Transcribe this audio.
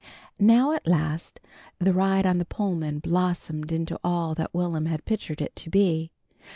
Now at last, the ride on the Pullman blossomed into all that Will'm had pictured it to be.